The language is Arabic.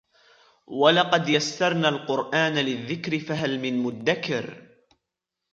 ولقد يسرنا القرآن للذكر فهل من مدكر